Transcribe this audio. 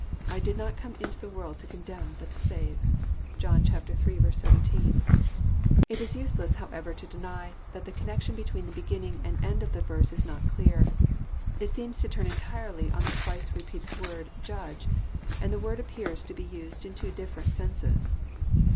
I did not come into the world to condemn, but to save." (John ill. 17.) It is useless, how ever, to deny that the connection between the l>eginning and end of the verse is not clear. It seems to turn entirely on the twice repeated word ''judge, and the word appears to be used in two different senses.